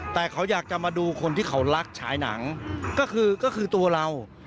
แต่เขาอยากจะมาดูคนที่เขารักฉายหนังก็คือก็คือตัวเรา